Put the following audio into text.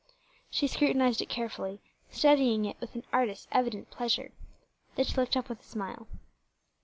She scrutinized it carefully, studying it with an artist's evident pleasure. Then she looked up with a smile.